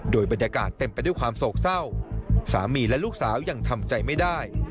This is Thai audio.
โดยบรรยากาศเต็มไปด้วยความโศกเศร้าสามีและลูกสาวยังทำใจไม่ได้